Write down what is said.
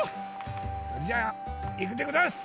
それじゃいくでござんす！